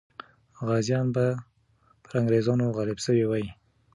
غازیان به پر انګریزانو غالب سوي وي.